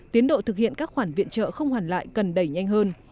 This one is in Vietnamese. tiến độ thực hiện các khoản viện trợ không hoàn lại cần đẩy nhanh hơn